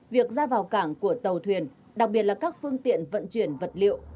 việc ra vào cảng của tàu thuyền đặc biệt là các phương tiện vận chuyển vật liệu